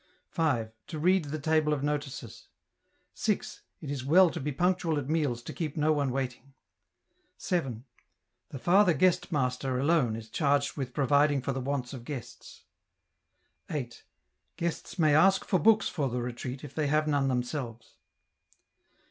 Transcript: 5. To read the table of notices. 6. It is well to be punctual at meals to keep no one waiting. 7. The Father Guestmaster alone is charged with providing for the wants of guests. 8. Guests may ask for books for the retreat, if they have none themselves.